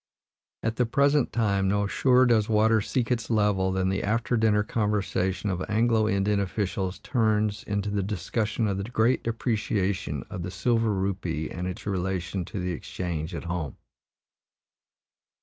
At the present time, no surer does water seek its level than the after dinner conversation of Anglo Indian officials turns into the discussion of the great depreciation of the silver rupee and its relation to the exchange at home.